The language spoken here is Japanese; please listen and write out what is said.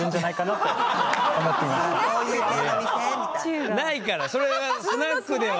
だからもうないからそれはスナックでは。